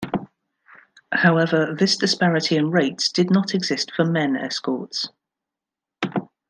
However, this disparity in rates did not exist for men escorts.